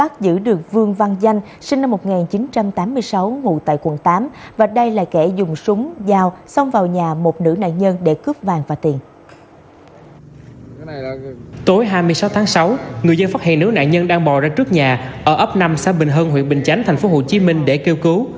tối hai mươi sáu tháng sáu người dân phát hiện nữ nạn nhân đang bò ra trước nhà ở ấp năm xã bình hưng huyện bình chánh tp hcm để kêu cứu